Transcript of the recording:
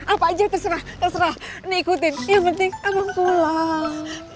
apa aja terserah terserah ngikutin yang penting abang pulang